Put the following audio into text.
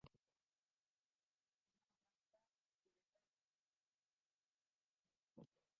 Es una planta suculenta de crecimiento lento, con un tronco enorme hinchado.